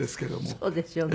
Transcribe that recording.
そうですよね。